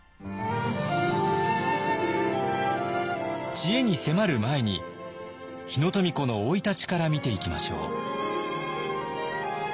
知恵に迫る前に日野富子の生い立ちから見ていきましょう。